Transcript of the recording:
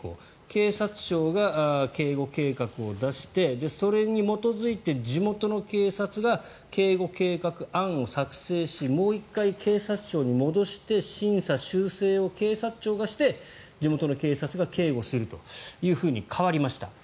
警察庁が警護計画を出してそれに基づいて地元の警察が警護計画案を作成しもう１回警察庁に戻して審査・修正を警察庁がして地元の警察が警護をすると変わりました。